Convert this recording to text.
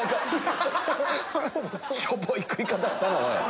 しょぼい食い方したな。